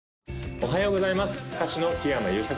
おはようございます